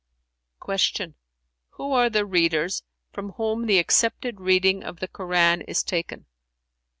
Q "Who are the readers, from whom the accepted reading of the Koran is taken?"